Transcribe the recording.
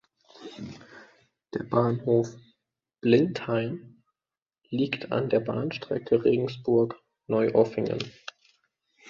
Der Bahnhof "Blindheim" liegt an der Bahnstrecke Regensburg–Neuoffingen.